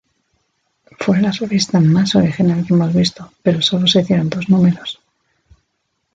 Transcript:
Fue la Revista más original que hemos visto pero sólo se hicieron dos números".